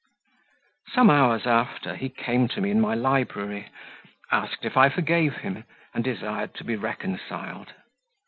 Some hours after, he came to me in my library, asked if I forgave him, and desired to be reconciled.